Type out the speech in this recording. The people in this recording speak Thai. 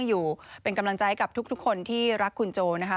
อยู่เป็นกำลังใจกับทุกคนที่รักคุณโจนะคะ